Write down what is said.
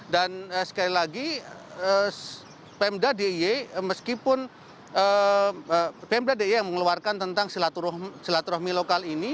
dan sekali lagi pemda d i meskipun pemda d i yang mengeluarkan tentang silaturahmi lokal ini